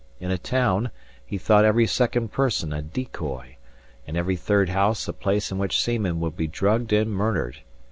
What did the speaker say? In a town, he thought every second person a decoy, and every third house a place in which seamen would be drugged and murdered.